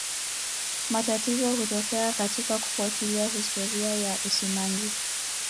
Matatizo hutokea katika kufuatilia historia ya usimamizi.